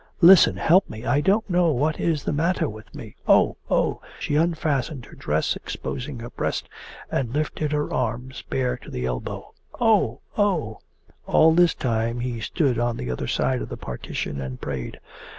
'Listen! Help me! I don't know what is the matter with me. Oh! Oh!' She unfastened her dress, exposing her breast, and lifted her arms, bare to the elbow. 'Oh! Oh!' All this time he stood on the other side of the partition and prayed.